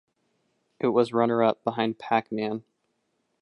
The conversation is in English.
It was runner-up, behind "Pac-Man".